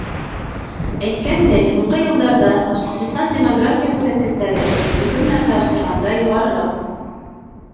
Әйткәндәй, һуңғы йылдарҙа Башҡортостанда демография күрһәткестәре, Рәсәйҙеке менән сағыштырғанда, юғарыраҡ.